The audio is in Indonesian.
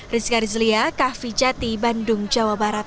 rizka rizlia kah fijati bandung jawa barat